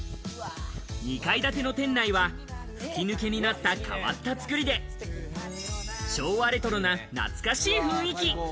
２階建ての店内は吹き抜けになった変わった造りで、昭和レトロな懐かしい雰囲気。